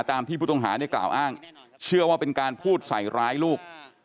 ตามที่ผู้ต้องหาเนี่ยกล่าวอ้างเชื่อว่าเป็นการพูดใส่ร้ายลูก